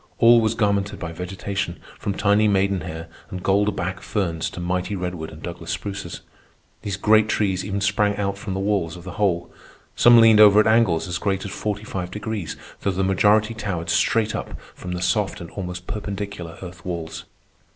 All was garmented by vegetation, from tiny maiden hair and gold back ferns to mighty redwood and Douglas spruces. These great trees even sprang out from the walls of the hole. Some leaned over at angles as great as forty five degrees, though the majority towered straight up from the soft and almost perpendicular earth walls.